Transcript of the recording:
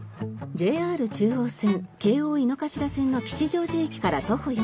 ＪＲ中央線京王井の頭線の吉祥寺駅から徒歩４分。